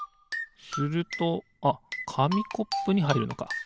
するとあっかみコップにはいるのか。